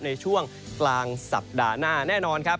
ในช่วงกลางสัปดาห์หน้าแน่นอนครับ